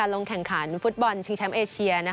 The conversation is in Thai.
ลงแข่งขันฟุตบอลชิงแชมป์เอเชีย